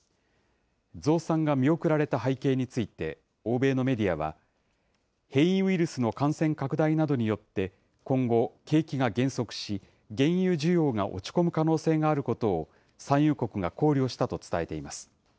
増産が見送られた背景について、欧米のメディアは、変異ウイルスの感染拡大などによって、今後、景気が減速し、原油需要が落ち込む可能性があることを産油国が考慮したと伝えています。